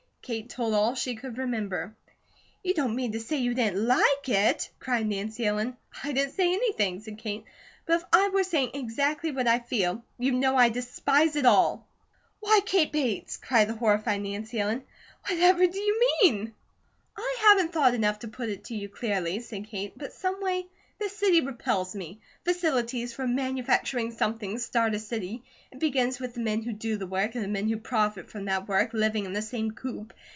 Kate told all she could remember. "You don't mean to say you didn't LIKE it?" cried Nancy Ellen. "I didn't say anything," said Kate, "but if I were saying exactly what I feel, you'd know I despise it all." "Why, Kate Barnes!" cried the horrified Nancy Ellen, "Whatever do you mean?" "I haven't thought enough to put it to you clearly," said Kate, "but someway the city repels me. Facilities for manufacturing something start a city. It begins with the men who do the work, and the men who profit from that work, living in the same coop.